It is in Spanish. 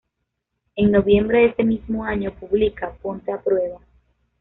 En noviembre de ese mismo año publica "Ponte a prueba.